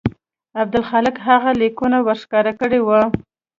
عبدالحق هغه لیکونه ورښکاره کړي وو.